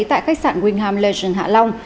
tại khách sạn wingham legend hạ long